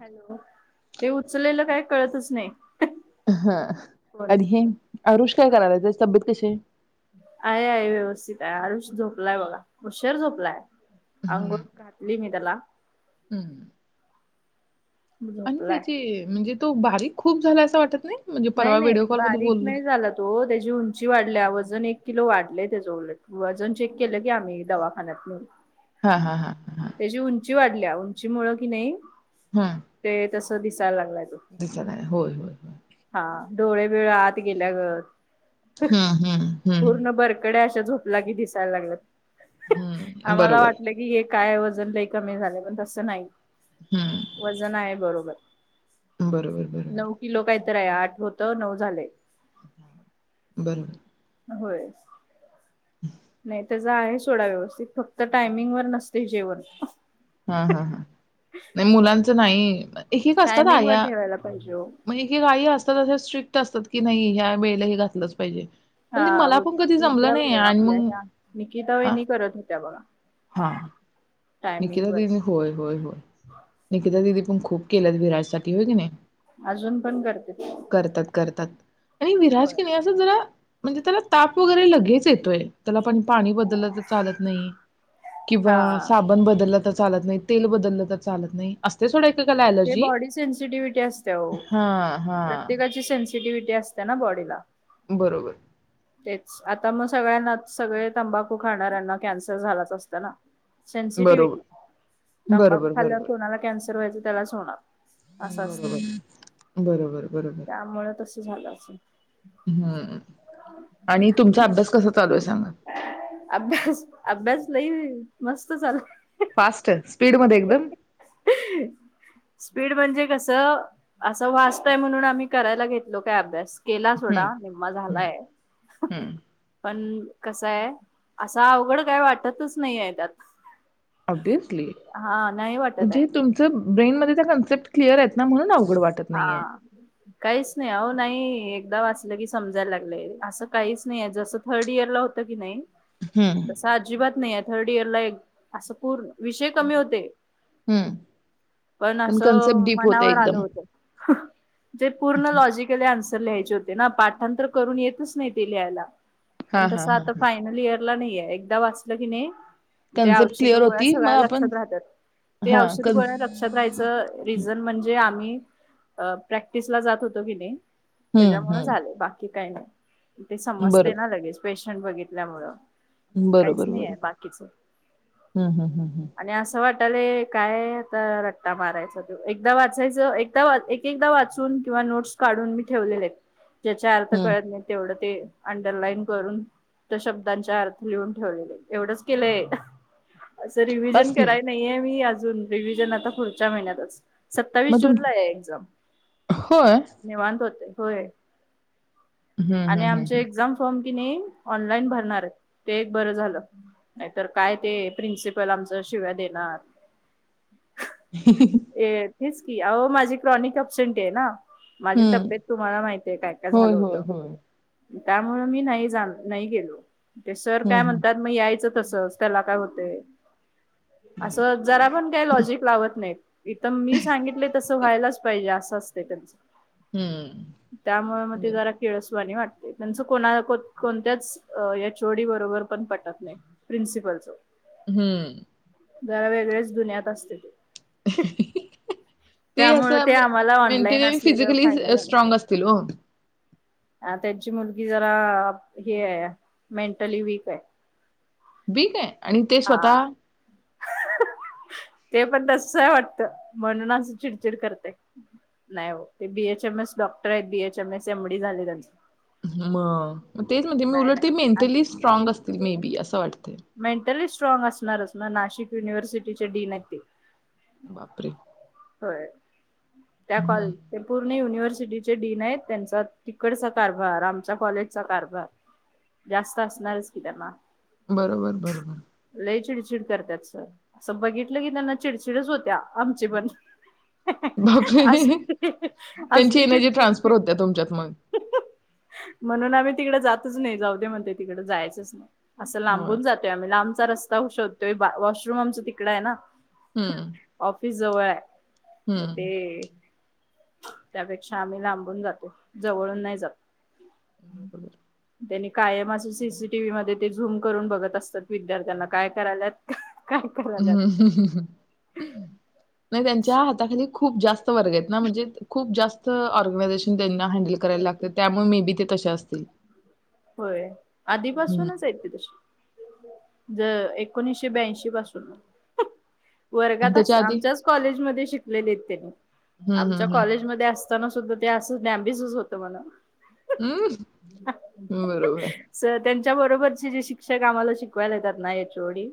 Hello ते उचललेलं काय कळतच नाही. हा कोण आणि हे अरुष काय हा. करायलाय? त्याची तब्येत कशी आहे? आहे, आहे व्यवस्थित आहे. आरुष झोपलाय बघा. ऊशर झोपलाय, हम्म अंघोळ घातली मी त्याला. हम्म. आणि झोपलाय त्याची म्हणजे तो बारीक खूप झालाय असं वाटत नाही? म्हणजे नाही, परवा नाही व्हिडिओ कॉलमध्ये बारीक बोललो. नाही झाला तो. त्या तेजी उंची वाढल्या, वजन एक किलो वाढलंय त्याच उलट. वजन चेक केलं की आम्ही दवाखान्यात नेऊन. हा हा हा हा त्याची उंची वाढल्या. तुमची मुळ की नाही हं. ते तसं दिस दिसत नाही. होय, होय, होय. हा डोळे बीळ आत गेल्या गत. हम्म, हम्म, हम्म. पूर्ण बरकड्या अशा झोपला की दिसायला लागल्यात. हम्म आम्हाला बरोबर वाटलं की हे काय वजन लई कमी झालंय, पण तसं नाही. हम्म वजन आहे बरोबर. बरोबर, बरोबर. तरी आठ होतं नऊ झालंय. [unintelligible] बर होय. नाही, त्याचा आहे सोडा व्यवस्थित फक्त टायमिंग वर नसते जेवण. हा हा हा नाही मुलांचं नाही. एक एक असतात टायमिंग वर आया ठेवायला पाहिजे ओ. म्ह हे काही असतात असे स्ट्रिक्ट असतात की नाही ह्या वेळेला हे घातलंच पाहिजे. हा पण ते मला बोल पण कधी कि जमलं उद्या नाही व आणि आपल्या मग ह्या निकिता आ- वहिणी करत होत्या बघा. हा टायमिंग निकिता वर दिदी होय होय होय. निकिता दिदी, पण खूप केलं विराजसाठी होय की नाही. अजून पण करते ती. करतात करतात आणि विराज कणी असं जरा म्हणजे त्याला ताप वगैरे लगेच येतोय त्याला पण पाणी बदल... ज चालत नाही किंवा.... हा. साबण बदला तर चालत नाही तेल बदललं तर चालत नाही असतंय सोडा. एकेकाला ते अलर्जी बॉडी सेन्सिटिव्हटी असते आओ हा हा प्रत्येकाची सेन्सिटिव्हटी... ते असते ना बॉडीला बरोबर तेच आता मग सगळ्यांना सगळे तंबाखू खाणाऱ्यांना कॅन्सर झालाच असत ना? सेन्सिटिव्हटी बरोबर तंबाखू बरोबर बरोबर खाल्ल्यावर कोणाला कॅन्सर व्हायच त्यालाच होणार असं असत, बरोबर बरोबर बरोबर त्यामुळे तस झालं. [unintelligible] हम्म. आणि तुमचा अभ्यास कसा चालू आहे सा अभ्यास अभ्यास लई मस्त चालय... फास्टच. स्पीड मध्ये एकदम स्पीड म्हणजे कसं असं वाजतय म्हणून आम्ही करायला घेतलो काय अभ्यास. केला सोडा हम्म निम्मा हम्म झालाय, हम्म पण कसाय असं अवघड काय वाटतच नाही आहे, त्यात ऑब्विसली हा नाही वाटत आहे म्हणजे तुमच ब्रेन मध्ये त्या कॉन्सेप्ट क्लिअर आहेत. ना म्हणून आओ.. हा काहीच नाही हो नाही.... एकदा वाचलं की समजायला लागलंय असं काहीच नाहीय जसं थर्ड इयर ला होतं की नाही. हम्म अस अजिबात नाही हाय. थर्ड इयर ला एक असं पूर्ण विषय कमी होते हम्म पण कन्सेप्ट डीप होते एकदम. ह ते पूर्ण लॉजिकली अस लिहायचे होते ना पाठांतर करून येतच नाही ते लिहायला. हा पण हा तसं हा आता हा. फायनल इयर तूला नाहीये एकदा वाचलं की नाही? त्या कन्सेप्ट औषध क्लिअर गोळ्या होती मग सगळ्या आपण लक्षात राहत्यात. ते हा औषध कन गोळ्या लक्षात राहायचं रिजन म्हणजे आ की अ प्रॅक्टिस ला जात होतो कि नइ हम्म त्याच्यामुळे हम्म. झालय बाकी काय नाय ते समजतय बरोब ना लगेच पेशंट बघितल्यामुळ काहीच बरोबर नाही ये आहे बरोबर. बाकीच हम्म हम्म हम्म हम्म. आणि अस वाट वाटालय काय आता रट्टा मारायचा एकदा वाचायचं एक एक एकदा वाचून किंवा नोट्स काढून मी ठेवलेले. ज्याच्या अर्थ हम्म कळत नाही तेवढं ते अंडरलाइन करून त्या शब्दांच्या अर्थ लिहून ठेवलेले. एवढंच केलंय असं रिव्हजन बास की मग. कराय नाहीये मी आजू अजून रिव्हजन आता पुढच्या महिन्यातच सत्तावीस मग तुम जून एक्झाम ला यायचं होय. निवांत होतय. होय हम्म हम्म आणि हम्म आमचे हम्म. एक्झाम फॉर्म कि ऑनलाईन भरणार आहे ते एक बरं झालं नाहीतर काय ते प्रिन्सिपल आमच शिव्या देणार. ही ही ही हेच की आओ माझी क्रॉनिक अपसेंटी आहे ना. माझी हम्म तब्येत तुम्हाला माहितीय काय काय झालं होय होत. होय होय. त्यामुळं मी नाही जा नाही गेलो ते सर हम्म काय हम्म. म्हणतात म यायच तसच त्याला काय होतय असं जरा पण काही लॉजिक लावत नाहीत. इथं मी सांगितले तसं व्हायलाच पाहिजे अस [inaudible] त्यांच हम्म त्यामुळे मग ते बर जरा किळस वाटतंय त्यांच कोणाय कोत कोणत्याच अ एचओडी बरोबर पण पटत नाही प्रिन्सिपलच हं. जरा वेगळेच दुनि्यात असत्यात ते. [inaudible] ते त्यामुळे असं मे आम्हाला ऑनलाईन मेंटलली असलेलं फिजिकली फायदा झाला. स्ट्रॉंग असतील ओ. अ त्यांची मुलगी जरा हे आहे मेंटली वीक आहे. वीक आहे? आणि ते स्वतः हा ते पण तसच आहे वाटत म्हणून असं चिडचिड करतय. नाही हो ते बीएच एम एस डॉक्टर आहेत. बीएच एम एस, एमडी झालंय त्यांच. मग मग तेच म्हणजे मी नाही उलट नाही ते मेंटली आणि स्ट्रॉग असतील मे बी असं वाटतेय. मेंटली स्ट्रॉंग असणारच ना नाशिक युनिव्हर्सिटीचे डीन आहेत ते. बापरे. [inaudible] त्या कॉल हम्म ते पूर्ण युनिव्हर्स चे डीन आहेत त्यांचा तिकडचा कारभार आमच्या कॉलेजचा कारभार जास्त असणारच की त्यांना. बरोबर, बरोबर. लई चिडचिड करत्यात सर. अस बघितलं की त्यांना चिडचिडच होत्या आमची पण. अस बापरे! त्यांची असली एनर्जी ट्रान्सफर चिडचिड होत्या तुमच्यात मग. म्हणून आम्ही तिकड जातच नाही जाऊ दे म्हणते तिकडं जायचच नाही. असं लांब होय. होऊन जातय आम्ही लाम चा रस्ता हू शोधतोय वा वॉशरूम आमंच तिकडय ना. हं. दी जवळ हाय. हो ते त्यापेक्षा आम्ही लांबून जातो जवळून नाही जात. त्यांनी [inaudible] कायम असे सीसीटीव्हीमध्ये ते झूम करून बघत असतात विद्यार्थ्यांना काय करायल्यात. काय करायल्यात नाही त्यांच्या हाताखाली खूप जास्त वर्ग आहेत ना म्हणजे खूप जास्त ऑर्गनायझेशन त्यांनी हॅण्डल कराय लागते त्यामुळे मी तिथं तशा असतील... होय हम्म आधीपासूनच आहेत ते तशी ज एकोणीशे ब्यांशी पासून ह आणि वर्गात आस त्याच्या आधी आमच्याच कॉलेजमध्ये शिक केलेत त्यांनी... हं, आमच्या हं, हं. कॉलेजमध्ये अस त्याना सुद्धा ते असंच डॅबीसच होतं मला हम् सर त्यांच्या बरोबरचे जे शिक्षक आम्हाला शिकवायला येतात ना एच ओ डी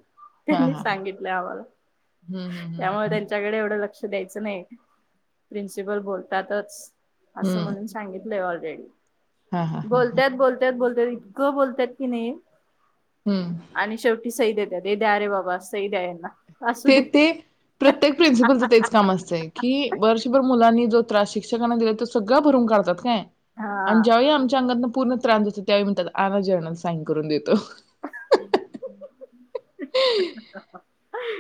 हां, त्यांनी हां, हां. सांगितलं आम्हाला हं, हं, हं, त्यामुळे हं. त्यांच्याकडे एवढं ल तस द्यायचं नाही प्रिन्सिपल बोलतातच असं म्हणून सांगितलंय ऑल [inaudible] हा हा हा हा बोलत्यात बोलत्यात इतकं बोलत्यात की नाई हम्म आणि शेवटी सईदेत द्या रे बाबा सई द्या यांना असू ते, दे ते प्रत्येक प्रिन्सिपलच तेच काम असतंय की वर्षभर मुलांनी जो त्रास शिक्षकांना दिला तो सगळा भरून काढतात काय. आणि हा ज्यावेळी आमच्या अंगातन पूर्ण त्रास होतो त्यावेळी म्हणतात आना जर्नल साईन करून देतो. [inaudible]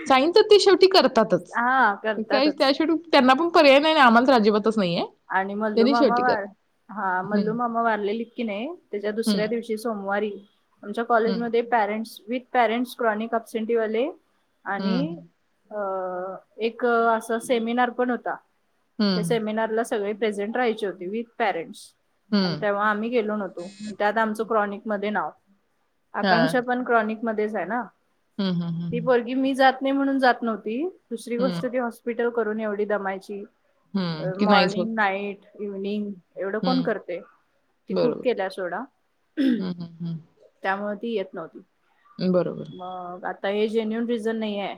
साइन तर ते शेवटी करतातंच. हा काय करतातच त्याशिवाय त्यांना पण पर्याय नई आमंन तर अजिबात आणि मल्लू मामा वार हा मल्लू हम्म मामा वारलेलीत कि नई त्याच्या दुसऱ्या हम्म दिवशी सोमवारी आमच्या हम्म कॉलेजमध्ये पॅरेंट्स विथ पेरेट्स क्रॉनिक उपसेंटी वाले आणि हम्म अ -एक असं सेमिनार पण होता. ते हम्म सेमिनारला सगळे प्रेझेंट रहायचे होते विथ पेरेंट्स. आणि हम्म तेव्हा आम्ही गेलो नव्हतो त्यात आमचं क्रॉनिक... मध्ये नाव हा आकांक्षा पण क्रॉनिक मध्येच आहे ना. हम्म हम्म ती हम्म पोरगी मी जात.. नाही म्हणून जात नव्हती.... दुसरी हम्म गोष्ट ती हॉस्पि..... ठेव करून एवढी दमायची हम्म कि नाहीच होत.. मॉर्निंग नाईट इव्हनिंग एवढं कोण हम्म करते ती खूप बरोबर केल्या सोडा हम्म हम्म त्यामुळे... ती येत नव्हती? हम्म बरोबर मगं आता हे जेन्युल रिझन नाहीे ये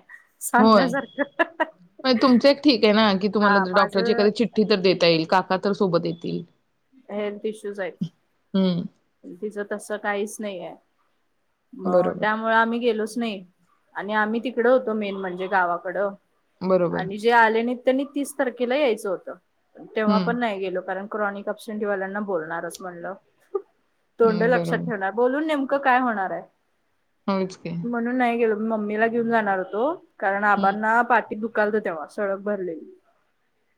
होय तुमच एक ठीक आहे ना कि.. तुम्हाला हा तर डॉक्टरची माझं एखादी चिट्ठी तर देता येईल काका तर सोबत येतील तील हेल्थ इश्यूस आहेत. हम्म तिचं तसं काहीच नाही आहे. मगं बरोबर त्यामुळे आम्ही गेलोच नाही आणि आम्ही तिकड होतो मेन म्हणजे गावाकडं... बरोबर आणि जे आले नाही.. त्यांनी तीस तारखेला यायचं होतं. तेव्हा हम्म पण नाही गेलो कारण क्रॉनिक अपशंटीवाल्यांना बोलणारच म्हणलं... तोंड हम्म लक्षात बरोबर ठेवणार बोलून नेम क काय होणार आहे होयंच की. म्हणून नाही गेलो मम्मीला घेऊन जाणार होतो. कारण हम्म आबांना पाठीत दु... िकलत तेव्हा सडक भरलेली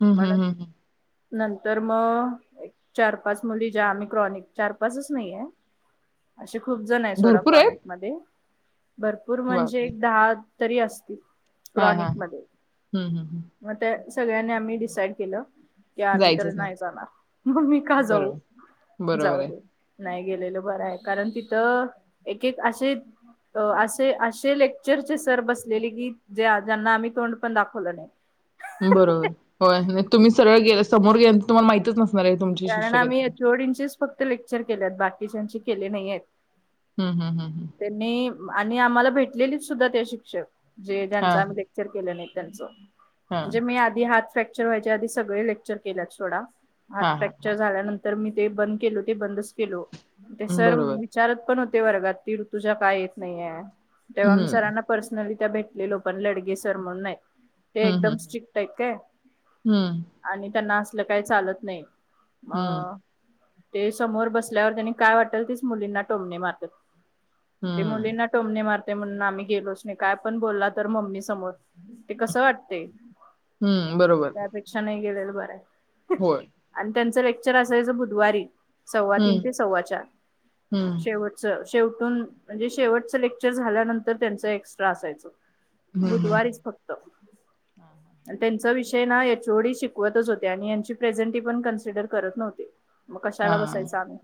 हम् म्हण हम् हम् हम्... नंतर मग चार पाच मुली ज्या आम्ही क्रॉनिक च्या बसच नाहीये. असे खूप जण आहेत हम्म सोडा भरपूर क्रॉनिक आहेत मध्ये भरपूर म्हणजे बापरे एक दहा तरी असतील. हा क्रॉनिक हा हा. मध्ये हम्म हम्म हम्म म ते सगळ्यांनी आम्ही डिसाईड केलं. या आम्ही तर नाही जाणार मग मी का जाऊ बरोबर बरोबर आहे दे नाही गेलेल बरं आहे कारण तिथं एक एक असे असे असे लेक्चरचे सर बसलेले की ज ज्यांना आम्ही तोंड पण दाखवलं नाही. बरोबर होय नाही तुम्ही सरळ गेलां समोर गेलेलं तुम्हाला माहीतीच न कारण आम्ही इचओडीचीच फक्त लेक्चर केल्यात बाकीच्याचे केले नाही आहेत. हम्म हम्म हम्म हम्म त्यांनी आणि आम्हाला भेटलेलीच सुद्धा ते शिक्षक जे हा ज्यांच आम्ही लेक्चर केलं नाही त्यांच हा म्हणजे मी आधी हाच फ्रॅक्चर व्हायच्या आधी सगळे लेक्चर केल्यात सोडा. हा हा फ्रॅक्चर हा झाल्यानंतर तर मी ते बंद केलो ते बंदच केलो. ते हम्म, सर बरोबर विचारत पण होते. ते वर्गातील ऋतूजा का येत नाहीये? तेव्हा मी हम्म सरांना पर्सनली तिथं भेटलेलो पण लडगे सर म्हणून नाहीत. ते हम्म एकदम हम्म स्ट्रिक्ट आहेत काय हम्म आणि त्यांना अस तसल काय चालत नाही. हम्म अ ते समोर बसल्यावर त्यांनी काय वाटल तीच मुलींना टोमणे मारत्यात. ते हम्म मुलीना टोमने मार ते म्हणून आम्ही गेलोच नाही काय पण बोलला तर मम्मी समोर ते कस वाटतय हम्म बरोबर त्यापेक्षा नाही गेलेल. बरं होय आणि त्यांचं लेक्चर असायचं बुधवारी सव्वा हम्म तीन ते सव्वा चार हम्म शेवटच शेवटून म्हणजे शेवटच लेक्चर झाल्यानंतर त्यांच एक्स्ट्रा असायच. हम्म हम्म हा बुधवारीच फक्त हा. अन त्यांन च विषय नाय हाय च वडील शिकवतच होते आणि यांची प्रेजें ते पण कन्सिडर करत नव्हते हा कशाला हा. बसायचं आम्ही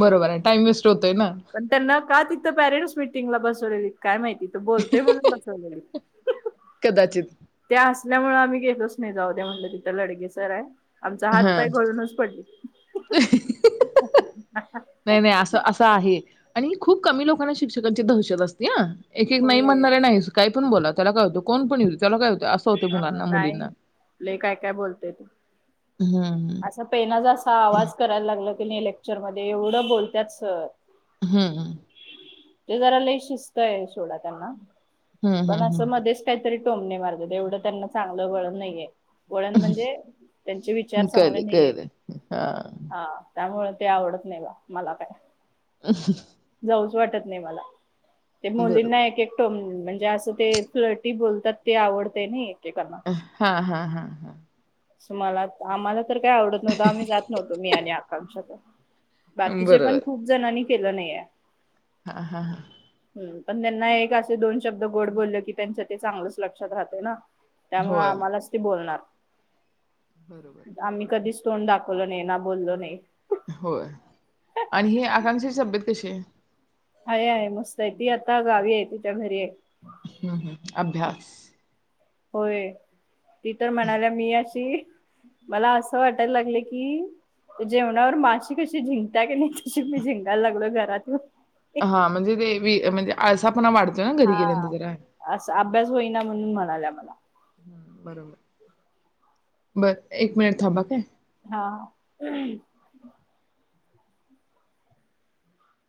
बरोबर आहे, टाइम वेस्ट होतोय ना पण त्यांना का तिथ पॅरेंट्स मीटिंगला बसवलेलीत काय माहित. तिथं बोलतेय म्हणून बसवलेले कदाचित त्यामुळे आम्ही गेलोच नाही जाऊ दे म्हलं तिथं लडगे तर हाय आमचा हात हा पाय घळूनच पडली नाही नाही असं असं आहे आणि खूप कमी लोकांना शिक्षकांची दहशत असते ह एक एक नाही होय म्हणणारे नाहीच काय कोण पण बोला त्याला काय होत कोणपण येऊदे त्याला काय हो अ नाहीले लई काय काय बोलतेय तू हम्म असा पेनाचा असा आवाज करायला लागला लेक्चरमध्ये एवढं बोलत्यात सर हम्म हम ते जरा लई शिस्त आहे सोडा त्यांना हम्म पण हम्म असे हम्म मध्येच काहीतरी टोमने मारगत एवढं त्यांना चांगलं वळण नाहीये वळण म्हणजे त्यांचे वि कळलं कळलं हा हा त्यामुळे ते आवडत नाही बा मला काय [inaudible] जाऊच वाटत नाही मला ते बरोबर मुलींना एक एक टोमणे म्हणजे असं ते फ्लटी बोलतात ते आवडते नाही हा हा हा हा तुम्हाला आम्हाला तर काय आवडत नव्हत आम्ही जात नव्हतो मी आणि आकांक्षा बाकीचे पण बरोबर खूप जणांनी केल नाहीये. हा हा हा ह पण त्यांना एक असे दोन शब्द गोड बोलले की त्यांच्या ते चांगलंच लक्षात राहतं ना. त्यामुळे होय आम्हालाच ते बोलणार. बरोबर आम्ही कधीच तोंड दाखवलं नाही ना बोललो नाही. होय आणि हे आकांक्षेची तब्येत कशी आहे? आहे आहे मस्त हाय ती आता गावी आहे तिच्या घरी आहे. हम्म, हम्म. अभ्यास होय ती तर म्हणाल्या मी अशी मला असं वाटायला लागले की जेवणावर माशी कशी झिंकत्या कणी तशी मी झिंगायला लागलो घरात हा म्हणजे देवी म्हणजे आज पुन्हा आपण वाढतोय ना कधी हा. कधी जरा असं अभ्यास होईना म्हणून म्हणाल्या मला. बरोबर बर एक मिनिट थांबा काय? हा